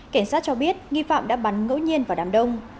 cảnh sát cho biết nghi phạm đã bắn ngẫu nhiên vào đám đông